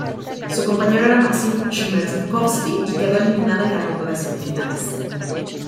Su compañero era Maksim Chmerkovskiy y quedó eliminada en la ronda de semifinales.